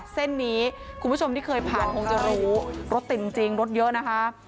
เส้นนี้คุณผู้ชมที่เคยผ่านคงจะรู้รถติดจริงรถเยอะนะคะ